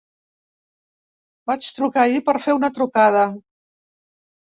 Vaig trucar ahir per fer una trucada.